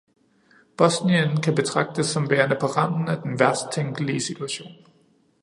Bosnien kan betragtes som værende på randen af den værst tænkelige situation.